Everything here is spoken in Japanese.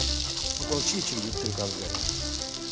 このチリチリいってる感じが。